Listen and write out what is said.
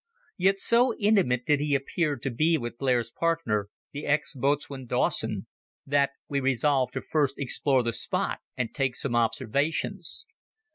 Yet so intimate did he appear to be with Blair's partner, the ex boatswain Dawson, that we resolved to first explore the spot and take some observations.